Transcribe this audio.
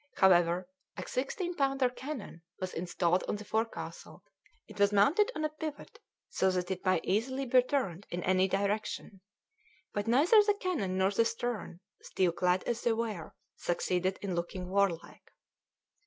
However, a 16 pounder cannon was installed on the forecastle; it was mounted on a pivot, so that it might easily be turned in any direction; but neither the cannon nor the stern, steel clad as they were, succeeded in looking warlike.